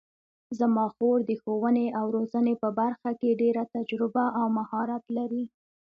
زما خور د ښوونې او روزنې په برخه کې ډېره تجربه او مهارت لري